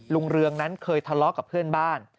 เรืองนั้นเคยทะเลาะกับเพื่อนบ้าน